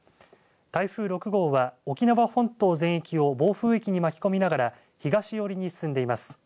台風６号は沖縄本島全域を暴風域に巻き込みながら東寄りに進んでいます。